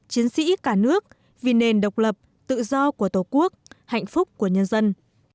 chiến sĩ cả nước vì nền độc lập tự do của tổ quốc hạnh phúc của nhân dân